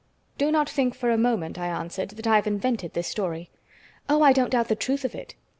"Do not think for a moment," I answered, "that I've invented this story." "Oh, I don't doubt the truth of it.